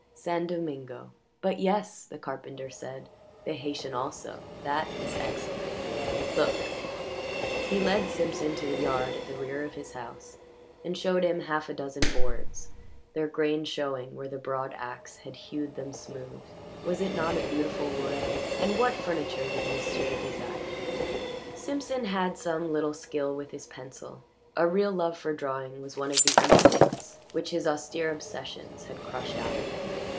"San Domingo but yes," the carpenter said; "the Haytian also that is excellent. Look!" He led Simpson to the yard at the rear of his house and showed him half a dozen boards, their grain showing where the broad axe had hewed them smooth. Was it not a beautiful wood? And what furniture did m'sieu' desire? Simpson had some little skill with his pencil a real love for drawing was one of the instincts which his austere obsessions had crushed out of him.